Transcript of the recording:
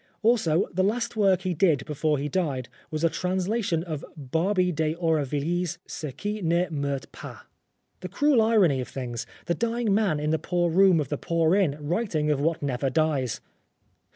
Also the last work he did before he died was a translation of Barbey d'Aurevilly's Ce Qui Ne Meurt Pas. The cruel irony of things ! The dying man in the poor room of the poor inn writing of what never dies